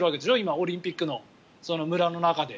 オリンピック野村の中で。